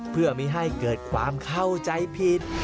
เพื่อไม่ให้เกิดความเข้าใจผิด